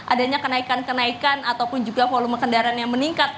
adanya kenaikan kenaikan ataupun juga volume kendaraan yang meningkat